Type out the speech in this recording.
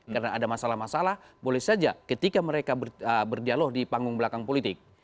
karena ada masalah masalah boleh saja ketika mereka berdialog di panggung belakang politik